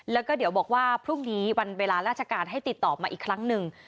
แล้วก็เดี๋ยวบอกว่าพรุ่งนี้วันเวลาราชการให้ติดต่อมาอีกครั้งหนึ่ง